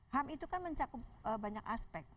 ham itu kan mencakup banyak aspek